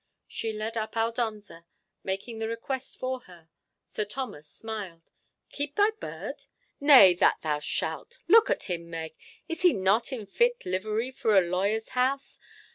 She led up Aldonza, making the request for her. Sir Thomas smiled. "Keep thy bird? Nay, that thou shalt. Look at him, Meg, is he not in fit livery for a lawyer's house?